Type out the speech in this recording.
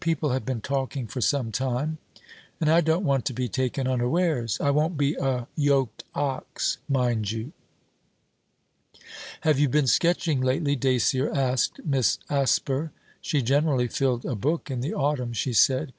People have been talking for some time, and I don't want to be taken unawares; I won't be a yoked ox, mind you.' 'Have you been sketching lately?' Dacier asked Miss Asper. She generally filled a book in the autumn, she said.